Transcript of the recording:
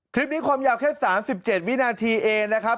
คลิปนี้ความยาวแค่๓๗วินาทีเองนะครับ